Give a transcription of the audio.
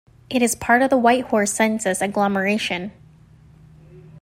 It is part of the Whitehorse Census Agglomeration.